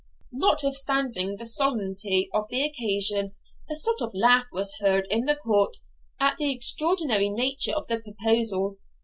Notwithstanding the solemnity of the occasion, a sort of laugh was heard in the court at the extraordinary nature of the proposal.